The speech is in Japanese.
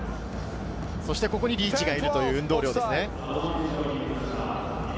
そしてここにリーチがいるという運動量です。